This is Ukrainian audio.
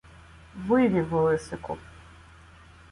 - Вивів, Лисику.